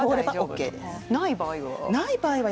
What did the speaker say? ない場合は？